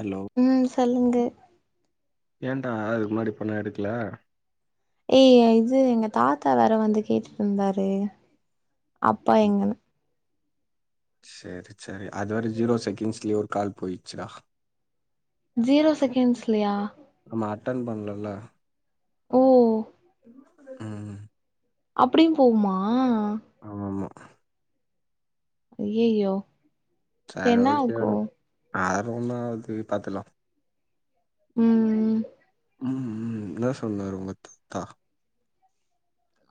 Hello ம் சொல்லுங்க ஏன்டா அதுக்கு முன்னாடி பண்ண எடுக்கல ஏய் இது எங்க தாத்தா வேற வந்து கேட்டுட் இருந்தாரு அப்பா எங்கண்ணா ச்சேரி ச்சேரி அதுவர்லியு ஜீரோ செகண்ட்ஸ்லயே ஒரு கால் போயிடுச்சுடா ஜீரோ செகெண்ஸ்லையா நம்ம அட்டன் பண்லல்ல ஓ ம்ம் அப்படியு போவுமா [unintelligible] ஆமா ஆமா ஐயையோ என்ன ஆகு ஆற ஒன்னு ஆகாது பாத்துல்லா ம் ம் ம் இன்ன சொன்னாரு உங்க தாத்தா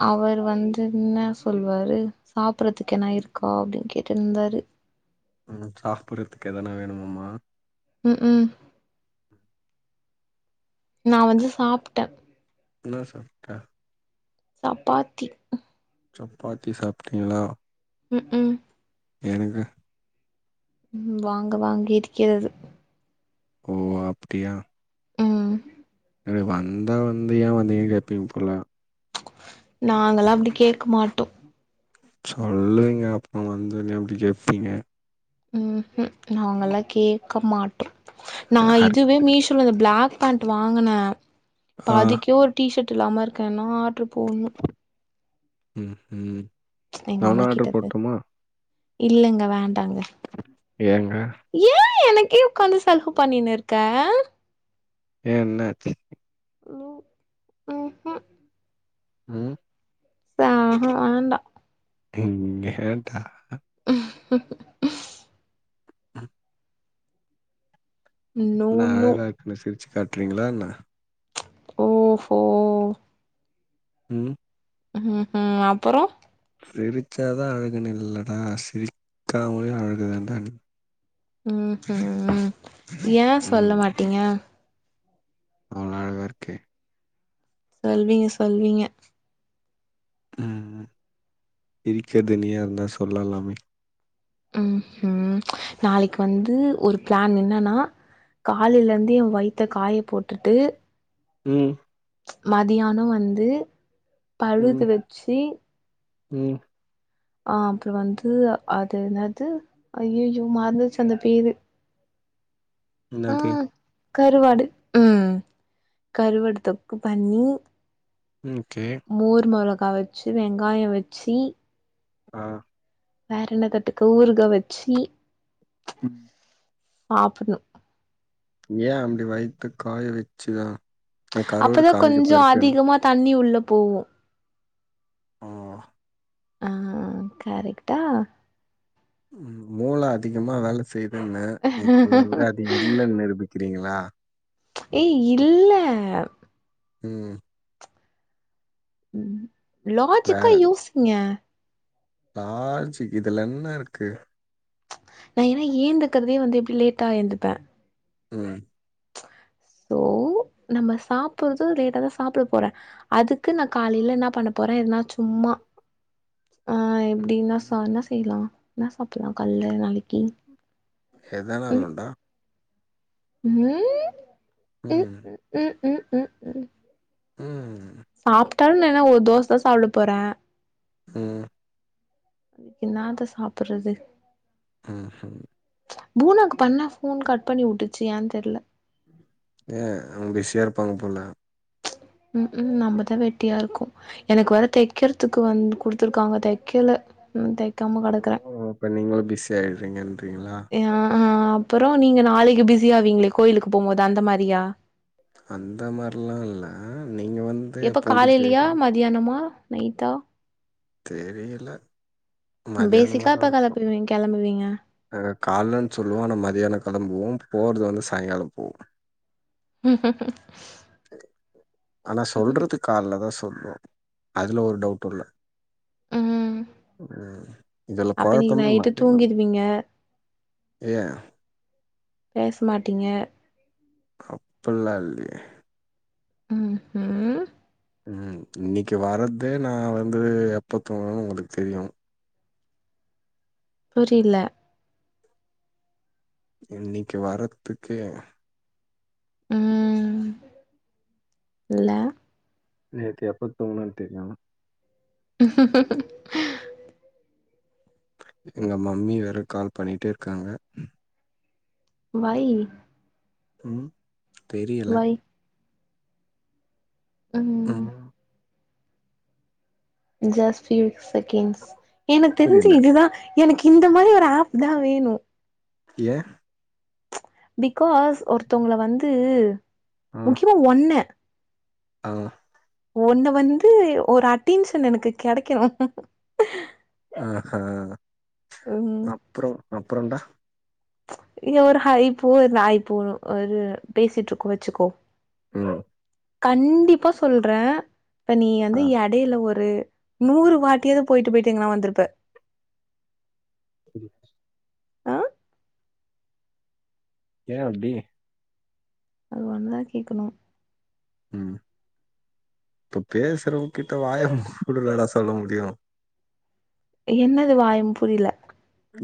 அவரு வந்து என்ன சொல்லுவாரு சாப்புறதுக்கென்ன இருக்கா அப்டின்னு கேட்டுன் இருந்தாரு ம் சாப்புடுறதுக்கு எதனா வேணுமாம்மா உக்ம் நா வந்து சாப்ட்ட என்ன சாப்ட்ட சப்பாத்தி உக் சப்பாத்தி சாப்டிங்ளா உக்ம் ஏனுங்க ம் வாங்க வாங்க இருக்கிறது ஓ அப்டியா ம் [unintelligible] வந்தா வந்த ஏ வந்தீங்கன்னு கேட்பீங்கல்ல ம்ச் நாங்கெல்லா அப்டி கேட்க மாட்டோ சொல்லுவிங்க அப்போ வந்து ஏ அப்டி கேப்பீங்க உஹூம் நாங்கல்லா கேக்க மாட்டோ நா யாருக்கா இதுவே மீஷோல இந்த பிளாக் பேண்ட் வாங்குன இப்ப அதுக்கே ஒரு டீஷர்ட் டில்லாம இருக்கேன்னா ஆட்ரு போன்னு ம்ம் நா வேன்னா ஆடர் போட்டுமா இல்லைங்க வேன் ஏங்க கே உக்காந்து சலுக பண்ணீன்னு இருக்க ஏ என்னாச்சு ம் ஹுஹூ ம் ஆஹூ வேண்டா டிம் ஏண்டா அ ஹிம் ஹிம் ம் நோ நா நோ அழகா இருக்கன்னு சிரி ச்சு காட்றீங்களா என்ன? ஓஹோ ம் ம் ஹும் அப்பறோ? சிரிச்சாதா அழகுன்னு இல்லடா சிரிக்காமலே அழகுதாண்டான்னு. ம் ஹும் ஏன் சொல்ல ம். மாட்டீங்க? அவ்ளோ அழகா இருக்கே. சொல்வீங்க சொல்வீங்க. ம் இருக்கறது நீயா இருந்தா சொல்லலாமே. ம் ஹும் நாளைக்கு வந்து ஒரு பிளான் என்னன்னா காலைல இருந்து என் வயித்த காய போட்டுட்டு ம் மதியானோ வந்து பழுது ம், வச்சி ம் ஆ அப்றோ வந்து அது என்னது ஐயயோ மறந்துருச்சு அந்த பேரு. ஆ என்னது? கருவாடு ம் கருவாடு தொக்கு பண்ணி ஓகே. மோர் மொள கா வச்சு வெங்காயோ வச்சி ஆ வேற என்ன தொட்டுக்க ஊறுகா வச்சி ம் சாப்டணு ஏ அப்டி வயத்த காய வச்சுதா அப்பதா கொஞ்ச அதிகமா தண்ணி உள்ள போவு ம் ஆ கரெக்டா? ம் மூள அதிகமா வேலை செய் துன்னே இப்ப வந்து அது இல்லன்னு நிரூபி க்கிறீங்களா? ஏய் இல்ல ம் ம் லாஜிக்கா யோசிங்க. லாஜிக்கு இதுல என்ன இருக்கு? நா ஏன்னா ஏந்துக்கிறதே வந்து எப்படி லேட்டா எந்துப்பே ம் சோ நம்ம சாப்பிடுறதும் லேட்டா தா சாப்பிட போறே அதுக்கு நா காலையில என்ன பண்ண போறே எனா சும்மா ஆ எப்படின்னா ச என்ன செய்லா என்ன சாப்பிடலா கல்ல நாளைக்கு எதனாலடா உம் உ ம் ம் ம் ம் ம் ம் சாப்பிட்டாலு நன ஒரு தோசை தா சாப்பிட போறே ம் என்னாதா சாப்பிறது ஆ ம் பூனாக்கு பண்ணா போன் கட் பண்ணி விட்டுச்சு ஏன்னு தெரில ஏ அவங்க பிசியா இருப்பாங்க போல ம் ம் நம்மதா வெட்டியா இருக்கு எனக்கு வேற தைக்கறதுக்கு வந் குடுத்துருக்காங்க தைக்கல ம் தை ஸ்கூல் ஓப்பனிங் னால பிஸி ஆயிடுறீங்கங்களா அ அப்புறோ நீங்க நாளைக்கு பிஸி ஆவீங்களே கோயிலுக்கு போம்போது அந்த மாரியா அந்த மாரில்லா இல்ல நீங்க வந்து எப்ப எப்பவும் பிஸி காலையிலேயே ஆயிடுவீங்க. மதியானமா நீதா தெரியல பேசிக்கா மத்தியானமாதா எப்ப இருக்கு கெளப்பிவி கெளம்புவீங்க அ காலேலன்னு சொல்லுவோ ஆனா மத்தியானம் கிளம்புவோ போறது வந்து சாயங்கால போ ம் ம் ம் ஆனா சொல்றது கால்லதா சொல்லு அதுல ஒரு டவுட்டுல்ல ம் ம் இதுல அப்ப நீங்க கொழப்பமே நைட்டு [unintelligible] தூங்கிடுவீங்க ஏ பேச மாட்டீங்க அப்புல்லா இல்லயே ம்ஹும் ம் இன்னக்கி வர்றதே நா வந்து எப்ப தூங்குவன் உங்களுக் தெரியு புரில இன்னக்கி வரத்துக்கே ம் இல்ல நேத்து எப்ப தூங்ன தெரியு எங்க மம்மி வேற கால் பண்ணிட்டேருக்காங்க ஒய் ம் தெரியல ம் ஜஸ்ட் டூ செகெண்ட்ஸ் எனக் தெரிஞ்சு புரியல. இதுதா எனக்கு இந்த மாரி ஒரு ஏப்தா வேணு ஏ பிக்காஸ் ஒருத்தவங்கள வந்து ஆ. முக்கியமா ஒன்ன ஆ ஒன்ன வந்து ஒரு அட்டென்ஷன் எனக்கு கெடைக்கணு ஆஹா ம் அப்பறோ அப்பறோண்டா இங்க ஒரு ஹைப்போ நாய்ப்போ ஒரு பேசிட்ருக்கோ வச்சுக்கோ ம் கண்டிப்பா சொல்ற இப்ப நீ ஆ. வந்து எடையில ஒரு நூறு வாட்டியாது போயிட்டு போயிட்டு இங்கனா வந்துருப்ப ம் ஆ ஏ அப்டி அது வந்தா கேக்கணு ம் இப்ப பேசுறவங் கிட்ட வாய [unintelligible] சொல்ல முடியு என்னது வாயம் புரியல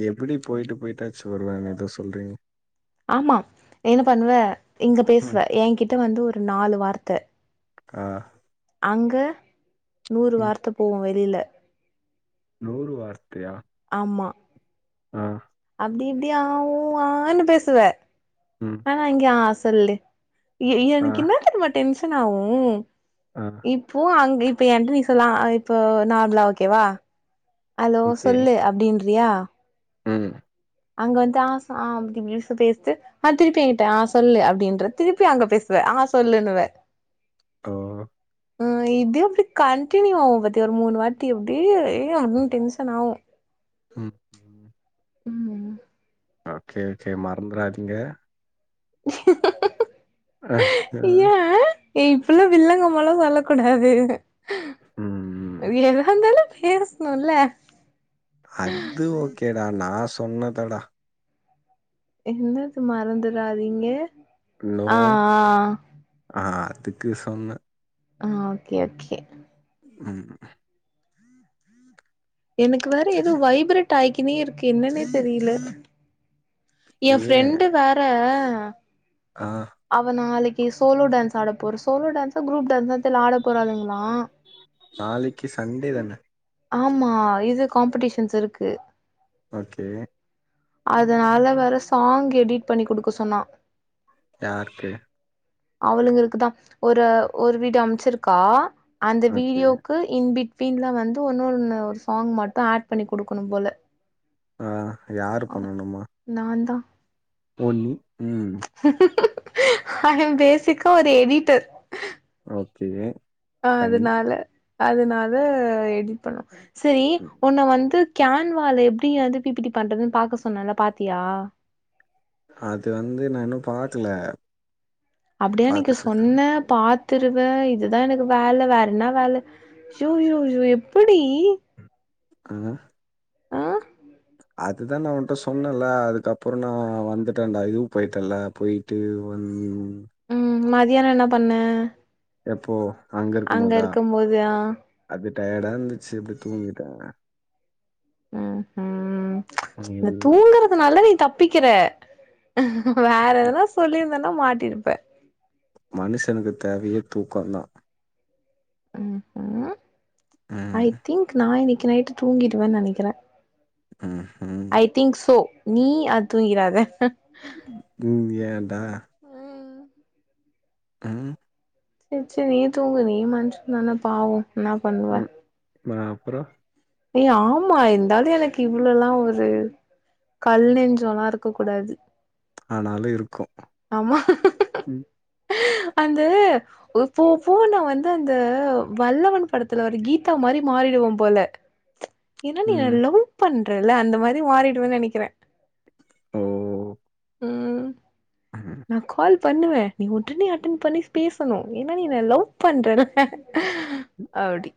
எப்படி போயிட்டு போயிட்டாச்சு வருவாங்க எதோ சொல்றீங்க ஆமா என்ன பண்ணுவ இங்க ம் பேசுவ எங்கிட்ட வந்து ஒரு நாலு வார்த் த ஆ அங்க நூறு ம் வார்த்த போ [unintelligible] புரில நூறு வார்த்தியா ஆமா அ அப்டி இப்டி ஆ ஓ ஆனு பேசுவ ம் ஆனா இங்க ஆஷ் திரில்டு ஏய் ஆ எனக்கென்ன தெரியுமா டென்ஷன் ஆவு ஆ இப்போ அங்கப் அப்ப என்ட்ட நீ சொல்லா இப்போ நார்மலா ஓகேவா ஹலோ ஓகே சொல்லு அப்டின் ரியா ம் அங்க வந்து ஆ சா அப்டி [unintelligible] பேசிட்டு ஆ திருப்பி ஏ கிட்ட ஆ சொல்லு அப்டின்ற திருப்பி அங்க பேசுவ ஆ சொல்லுன்னுவ ஓ ஆ இது அப்டெ கண்டினியூ ஆவு பத்தி ஒரு மூணு வாட்டி அப்டி ஏ [unintelligible] டென்ஷன் ஆவு ம் ம் ஓகே ஓகே மறந்துறாதீங்க [unintelligible] அஹ் அ ஏ இப்புல்லா வில்லங்கமால்லா சொல்லக்குடாது ம் எல்லாந்தானெ பேசுணுல்ல அத்து ஓகேடா நா சொன்னதடா என்னது மறந்துடாதீங்க ஹலோ ஆ அ துக்கு சொன்ன ஆ ஓகே ஓகே ம் எனக்கு வேற எதோ வைப்ரட் ஆய்க்கினே இருக்கு என்னன்னே தெரில ஏ ஃப்ரெண்டு் வேற ஆ ஆ அவ நாளைக் கி சோலோ டான்ஸ் ஆட போற சோலோ டான்ஸ்ஸா குரூப் டான்ஸ்ஸா தெர்ல ஆட போறாளுங்களா நாளைக்கு சண்டே தான ஆமா இது காம்படிஷன்ஸ் இருக்கு ஓகே அதனால வேற சாங் எடிட் பண்ணி குடுக்க சொன்னா யாருக்கு அவளுங்களுக்குதா ஒரு ஒரு வீடிய அமுச்சிருக்கா அந்த ஓகே வீடியோக்கு இன்பிட் வீன்ல வந் து ஒன்னொடொன்னு ஒரு சாங் மட்டு ஆட் பண்ணி குடுக்கணும் போல ஆ யாரு பண்ணணுமா நான்தா ஓ நீ ம் ஐயம் பேசிக்கா ஒரு எடிட்டர் ஓகே ஆ ஃபைன் அதுனால அதனால எ பண்ணு செரி ம் உன்ன வந்து கேன்வால எப்படி வந்து பிபிடி பண்றதுன்னு பாக்க சொன்னல்ல பாத்தியா அது வந்து நா இன்னு பாக்கல அப்டியா நீங்க பாத்துட்டு சொன்ன சொல்றேன். பா திருவேன் இதுதான் எனக்கு வேல வேற என்னா வேல சோ யோ யோ எப்படி ஆ அதுதான் நா உன்ட் சொன்னேல அதுக்கப்புறம் நான் வந்துட்டேன்டா இதுவும் போயிட்டேல்ல போயிட்டு உம் ப மதியானம் என்ன பண்ண எப்போ அங்க இருக்கும் போதா அது டயடா இருந்துச்சு அப்டி தூங்கிட்ட ஹும் ஹ இந்த இது தூங்குறதுனால நீ ப்பிக்கிற வேற எதுனா சொல்லியிருந் நல்ல மாட்டிருப்ப மனுஷனுக்குத் தேவையே தூக்கந்தா உம் ஹும் ஐ ம். திங்க் நா இக் நைட்டு தூங்கிடுவேன் நெனக்கிறேன் ம்ஹ்ம். ம். ஐ திங்க் சோ நீ அ தூங்கிறாத தூங்கியேடா உம் செரி செரி நீ தூங்கு நீ மனுச தானா பாவோ என்ன பண்ணுவ அ அப்புரோ ஏய் ஆமா இந்தாலும் எனக்கு இவ்ளவுல்லா ஒரு கல் நெஞ்சோல்லா இருக்க கூடாது ஆனாலு இருக்கும் ஆமா ம். அந்த இப்போப்ப நா வந்து அந்த வல்லவன் படத்துல ஒரு கீதா மாரி மாறிடுவோம் போல ஏன்னா நீ என்ன ம். லவ் பண் றல அந்த மாரி மாறிடுவேனு நெனைக்கிறேன் ஓ ஓ ஓ உம் நா கால்ப் பண்ணுவ நீ உடனே அட்டன் பண்ணி பேசணு ஏன்னா நீ என்ன லவ் பண்ற அப்டி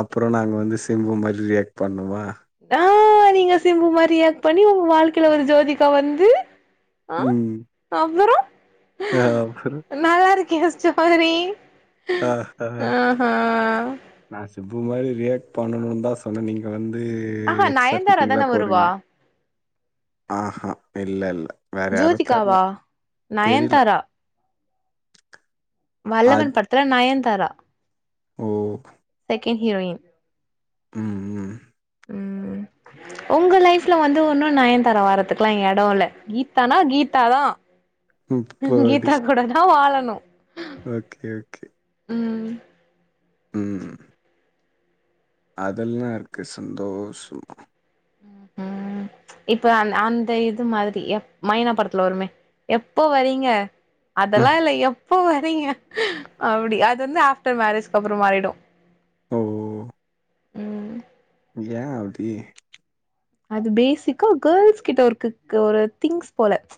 அப்பறோ நாங்க வந்து சிம்பு மாரி ரியாக்ட் பண்ணுவா தான் ஆ நீங்க சிம்பு மாரி ரியேக்ட் பண்ணி ஒங்க வாழ்க்கைல ஒரு ஜோதிகா வந்து ஆ ம். அவரு [unintelligible] சப்பாதறி ஆ ஆ ஆஹா நா சிப்பு மாதிரி ரியாக்ட் பண்ணும்னுதா சொன்ன நீங்க வந்து ஆஹா எக்ஸா நயன்தாரா ஃபிட்டிங்லா தான வருவா போடுறீங்க ஆஹஹா இல்ல இல்ல வேற யாரு தெர்ல ஜோத்திகாவா தெரில தெரியல. நயன்தாரா அது வல்லவன் படத்துல நயன் தரா ஓ [unintelligible] ஹீரோயின் ம்ம் ம் உங்க லைஃப்ல வந்து ஒன்னு நயன்தாரா வர்றதுக்கெல்லா இங்க எடோல்ல கீத்தானா கீத்தாதா இப்பாடி கீத்தா கூடதா வாழன் நோ ஓகே ஓகே ம் ம் அதெல்லா இருக்கு சந்தோஷமா ம் ம்ச் இப்ப அந் அந்த இது மாதிரி எப் மைனா படத்துல வருமே எப்போ வரீங்க அதல்லா ம் இல்ல எப் எப்போ வரிங்க அப்படியா அது வந்து ஆஃப்டர் மேரேஜ்க்கப்பறோ மாறிடு ஓ ம் ஏ அவுதி அது பேசிக்கா கேர்ள்ஸ் கிட்ட ஒருக்கு ஒரு திங்ஸ் போல ம்ச்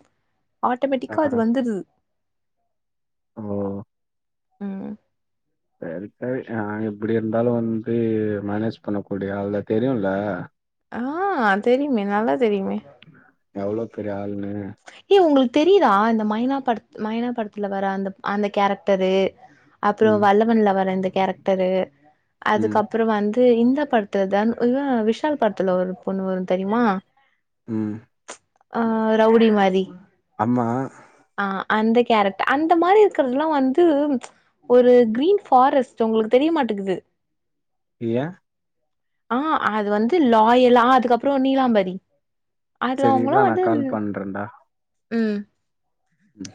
ஆ ஆட்டோமேட்டிக்கா அது வந்துருது ஓ ம் சேரி சேரி நா எப்படி இருந்தாலு வந்து மேனேஜ் பண்ணக்கூடிய ஆளு தெரியுல்ல ஆ தெரியுமே நல்லாத் தெரியுமே எவ்ளோ பெரிய ஆளு ஏ உங்களுக் தெரியிதா இந்த மைனா படத் மைனா படத்துல வர அந்த அந்த கேரக்டரு அப்றொ ம் வல்லவன்ல வர இந்த கேரக்டரு ம் அதுக்கப்றொ வந்து இந் த படத்துல தனு இவ விஷால் படத்துல ஒரு பொண்ணு வரு தெரியுமா ம் ஆ ரவுடி மாரி ஆமா ஆ அந்த கேரக்டர் அந்த மாரி இரு க்கிறத்லா வந்து ஒரு கிரீன் ஃபாரஸ்ட் உங்களுக்கு தெரிய மாட்டெக்குது ஏ ஆ அது வந்து லாயலா அதுக்கப்றொ நீலாம்பரி அதுல செரி அவங்களா இர்ரா நா வந்து கால் பண்றன்டா ம் ம்